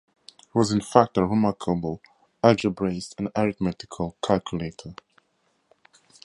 He was in fact a remarkable algebraicist and arithmetical calculator.